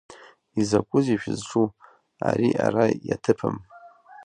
Изакәызеи шәызҿу, ари ара иаҭыԥым!